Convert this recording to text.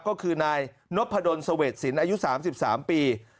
ก็คือนายนพดนสเวสินอายุ๓๓ปี